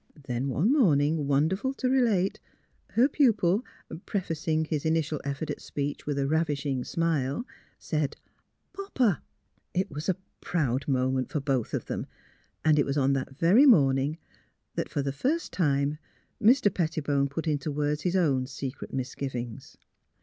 Then one morning, wonderful to relate, her pupil — prefacing his initial effort at speech with a rav ishing smile — said " Poppa! " It was a proud moment for both of them; and it was on that very morning that, for the first time, Mr. Pettibone put into words his own secret mis givings.